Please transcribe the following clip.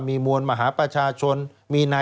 สวัสดีค่ะต้องรับคุณผู้ชมเข้าสู่ชูเวสตีศาสตร์หน้า